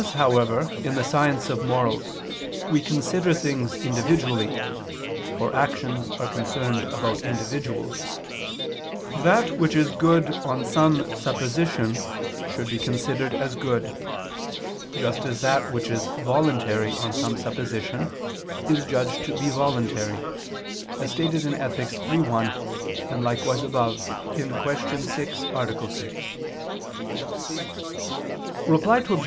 Because, however, in the science of Morals, we consider things individually for actions are concerned about individuals that which is good on some supposition, should be considered as good: just as that which is voluntary on some supposition, is judged to be voluntary, as stated in Ethic. iii, 1, and likewise above (Q. 6, A. 6). Reply Obj.